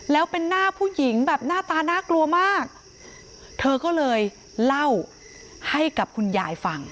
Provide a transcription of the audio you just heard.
แล้วเป็นหน้าผู้หญิงแบบหน้าตาน่ากลัวมากเธอก็เลยเล่าให้กับคุณยายฟัง